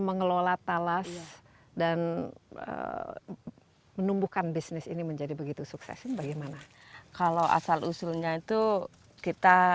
mengelola talas dan menumbuhkan bisnis ini menjadi begitu sukses bagaimana kalau asal usulnya itu kita